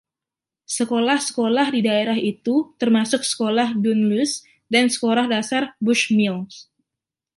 Sekolah-sekolah di daerah itu termasuk Sekolah Dunluce dan Sekolah Dasar Bushmills.